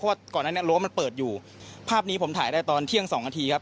ว่าก่อนนั้นเนี่ยรั้วมันเปิดอยู่ภาพนี้ผมถ่ายได้ตอนเที่ยงสองนาทีครับ